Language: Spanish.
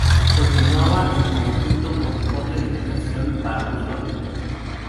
Continuaba el conjunto con otras edificación para uso agrícola.